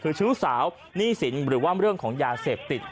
คือชู้สาวหนี้สินหรือว่าเรื่องของยาเสพติด